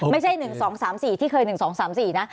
ไม่ใช่๑๒๓๔ที่เคย๑๒๓๔นะ